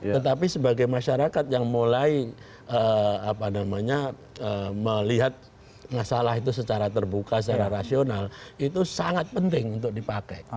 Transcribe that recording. tetapi sebagai masyarakat yang mulai melihat masalah itu secara terbuka secara rasional itu sangat penting untuk dipakai